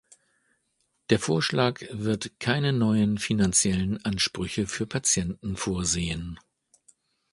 Der Vorschlag wird keine neuen finanziellen Ansprüche für Patienten vorsehen.